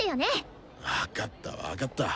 分かった分かった。